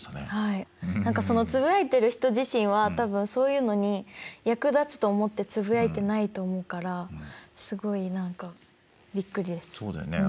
何かそのつぶやいてる人自身は多分そういうのに役立つと思ってつぶやいてないと思うからすごい何かびっくりです。